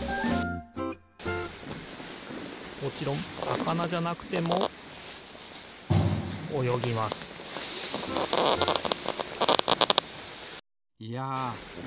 もちろんさかなじゃなくてもおよぎますいやみずって